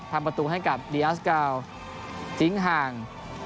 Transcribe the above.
พันประตูให้กับดีอาร์สกาลทิ้งห่าง๓๐